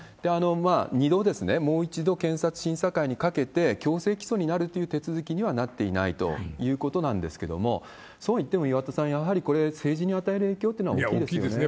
２度、もう一度検察審査会にかけて、強制起訴になるという手続きにはなっていないということなんですけれども、そうはいっても岩田さん、やはり政治に与える影響は大きいですよね。